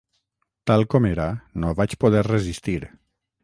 Tal com era no ho vaig poder resistir.